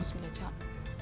hai sự lựa chọn